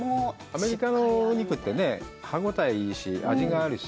アメリカのお肉ってね、歯応えいいし、味があるし。